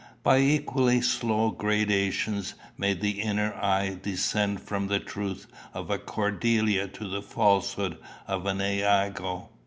By equally slow gradations may the inner eye descend from the truth of a Cordelia to the falsehood of an Iago.